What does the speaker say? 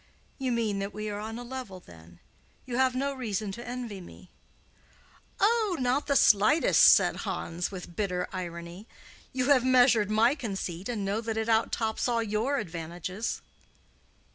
"You mean that we are on a level, then; you have no reason to envy me." "Oh, not the slightest," said Hans, with bitter irony. "You have measured my conceit and know that it out tops all your advantages."